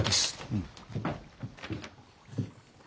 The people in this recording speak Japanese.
うん。